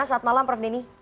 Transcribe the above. selamat malam prof deni